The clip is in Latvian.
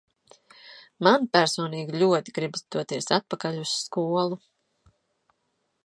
Man personīgi ļoti gribas doties atpakaļ uz skolu.